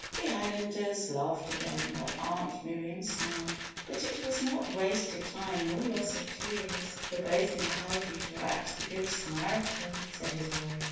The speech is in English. The Islanders laughed again while Aunt Miriam smiled. "But it was not wasted time nor loss of tears for both impelled you to act the Good Samaritan," said his wife.